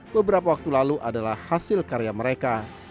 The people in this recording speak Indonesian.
beberapa waktu lalu adalah hasil karya mereka